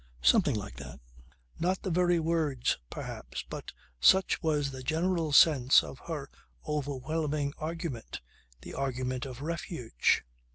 Something like that. Not the very words perhaps but such was the general sense of her overwhelming argument the argument of refuge.